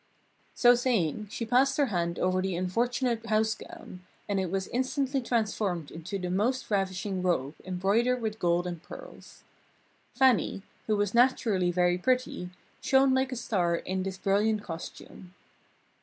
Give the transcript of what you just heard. So saying she passed her hand over the unfortunate house gown and it was instantly transformed into the most ravishing robe embroidered with gold and pearls. Fannie, who was naturally very pretty, shone like a star in this brilliant costume.